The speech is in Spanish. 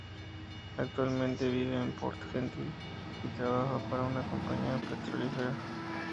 Actualmente vive en Port-Gentil, y trabaja para una compañía petrolífera.